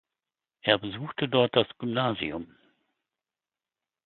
Er besuchte dort das Gymnasium.